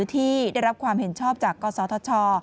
ที่ได้รับความเห็นชอบจากกศธช